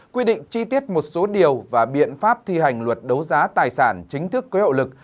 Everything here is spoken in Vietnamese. quyết định chi tiết một số điều và biện pháp thi hành luật đấu giá tài sản chính thức cơ hội lực